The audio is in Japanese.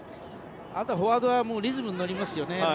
あとフォワードはリズムに乗りますよね。